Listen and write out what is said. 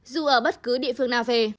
dù ở bất cứ địa phương nào về